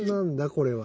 これは。